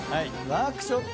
ワークショップ？